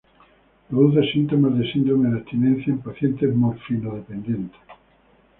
Produce síntomas de síndrome de abstinencia en pacientes morfino-dependientes.